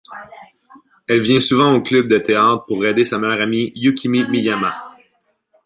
Elle vient souvent au club de théâtre pour aider sa meilleure amie Yukimi Miyama.